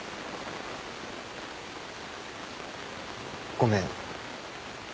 ごめん。